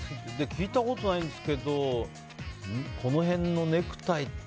聞いたことないんですけどこの辺のネクタイ。